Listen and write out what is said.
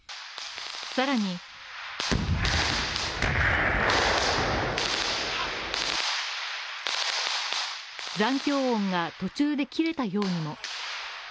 更に残響音が途中で切れたようにも。